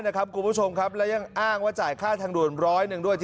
นะครับกูผู้ชมครับและยังอ้างว่าจ่ายค่าทางด่วนร้อย